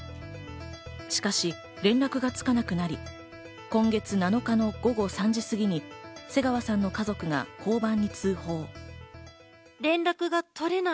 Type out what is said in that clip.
しかし、連絡がつかなくなり、今月７日の午後３時過ぎに瀬川さんの家族が交番に通報。